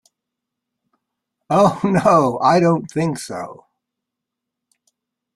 Oh, no, I don't think so!